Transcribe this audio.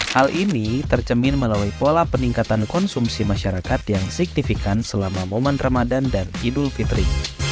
hal ini tercemin melalui pola peningkatan konsumsi masyarakat yang signifikan selama momen ramadan dan idul fitri